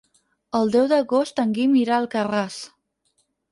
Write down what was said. El deu d'agost en Guim irà a Alcarràs.